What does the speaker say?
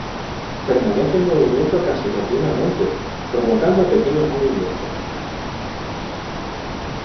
Permanece en movimiento casi continuamente, provocando pequeños movimientos.